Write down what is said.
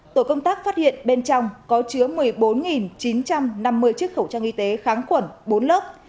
tổ công tác phát hiện bên trong có chứa một mươi bốn chín trăm năm mươi chiếc khẩu trang y tế kháng khuẩn bốn lớp